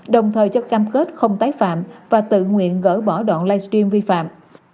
đồng thời cho cam kết không tái phạm và tự nguyện gỡ bỏ đoạn livestream vi phạm